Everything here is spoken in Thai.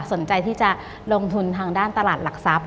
สนใจที่จะลงทุนทางด้านตลาดหลักทรัพย